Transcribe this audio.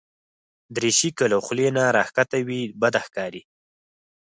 دریشي که له خولې نه راښکته وي، بد ښکاري.